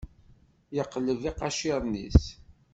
Yeqleb iqaciren-is.